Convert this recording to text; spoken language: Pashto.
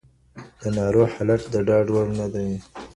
د ناروغ حالت د ډاډ وړ نه دی.